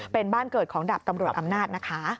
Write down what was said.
เป็นบ้านเกิดของดาบตำรวจอำนาจนะคะ